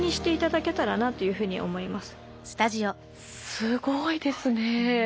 すごいですね。